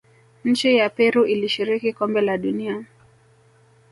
nchi ya peru ilishiriki kombe la dunia